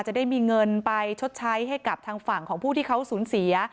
จะได้มีเงินไปชดใช้ให้กับทางฝั่งของผู้ที่เขาสูญเสีย